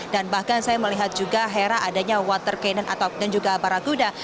dan bahkan saya melihat juga hera adanya water cannon dan juga barakuda